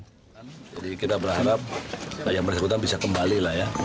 jadi kita berharap yang bersekutang bisa kembali lah ya